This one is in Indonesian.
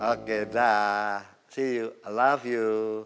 oke dah see you i love you